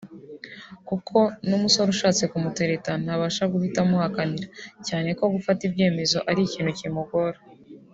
kuko n’umusore ushatse kumutereta ntabasha guhita amuhakanira cyane ko gufata ibyemezo ari ikintu kimugora